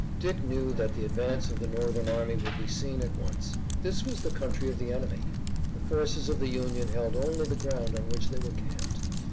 Dick knew that the advance of the Northern army would be seen at once. This was the country of the enemy. The forces of the Union held only the ground on which they were camped.